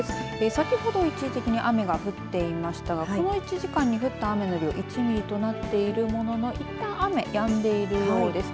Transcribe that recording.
先ほど一時的に雨が降っていましたがこの１時間に降った雨の量１ミリとなっているもののいったん雨やんでいるようです。